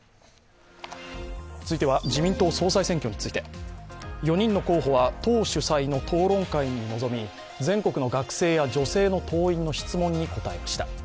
続いては、自民党総裁選挙について４人の候補は党主催の討論会に臨み全国の学生や女性の党員の質問に答えました。